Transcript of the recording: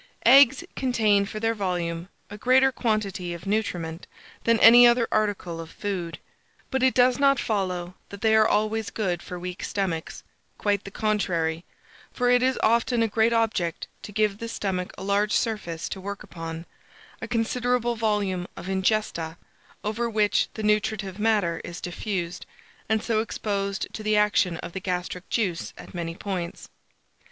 EGGS contain, for their volume, a greater quantity of nutriment than any other article of food. But it does not follow that they are always good for weak stomachs; quite the contrary; for it is often a great object to give the stomach a large surface to work upon, a considerable volume of ingesta, over which the nutritive matter is diffused, and so exposed to the action of the gastric juice at many points.